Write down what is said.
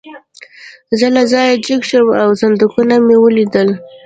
زه له ځایه جګ شوم او صندوقونه مې ولیدل